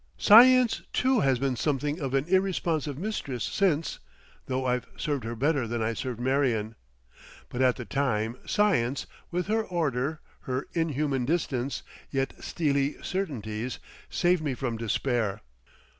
Science too has been something of an irresponsive mistress since, though I've served her better than I served Marion. But at the time Science, with her order, her inhuman distance, yet steely certainties, saved me from despair.